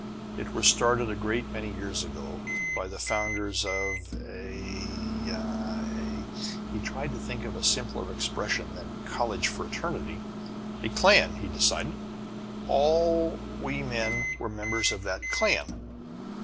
It were started a great many years ago, by the founders of a a " He tried to think of a simpler expression than "college fraternity." "A clan," he decided. "All of we men were members of that clan."